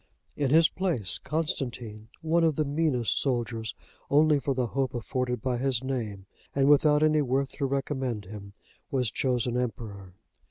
In his place, Constantine, one of the meanest soldiers, only for the hope afforded by his name, and without any worth to recommend him, was chosen emperor.